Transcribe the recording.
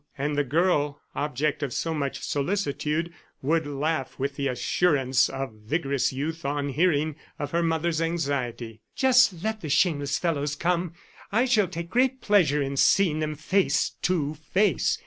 And the girl, object of so much solicitude, would laugh with the assurance of vigorous youth on hearing of her mother's anxiety. "Just let the shameless fellows come! I shall take great pleasure in seeing them face to face!"